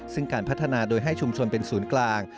ซึ่งการพัฒนาโดยให้ชุมชนเป็นศูนย์กลาง